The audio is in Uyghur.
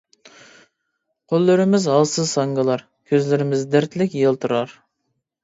قوللىرىمىز ھالسىز ساڭگىلار، كۆزلىرىمىز دەردلىك يالتىرار.